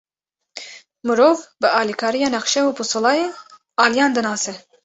Mirov, bi alîkariya nexşe û pisûleyê aliyan dinase.